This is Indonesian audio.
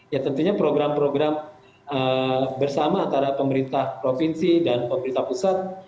ya tentunya program program bersama antara pemerintah provinsi dan pemerintah pusat